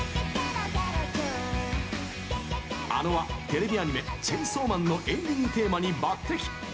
ａｎｏは、テレビアニメ「チェンソーマン」のエンディングテーマに抜てき！